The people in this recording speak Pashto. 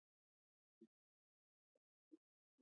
کانديد اکاډميسن عطایي د خپل ولس ادبي بیداري ته ژمن و.